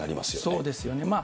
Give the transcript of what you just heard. そうですよね。